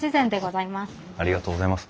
ありがとうございます。